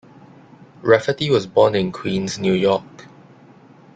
Rafferty was born in Queens, New York.